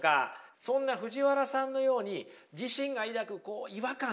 そんな藤原さんのように自身が抱く違和感ね